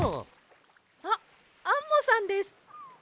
あっアンモさんです！